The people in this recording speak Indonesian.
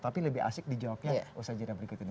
tapi lebih asik dijawabkan usajaran berikut ini